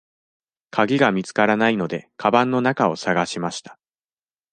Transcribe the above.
かぎが見つからないので、かばんの中を探しました。